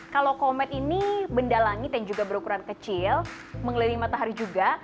kalau komet ini benda langit yang juga berukuran kecil mengelilingi matahari juga